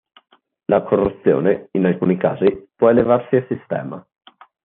La corruzione, in alcuni casi, può elevarsi a sistema.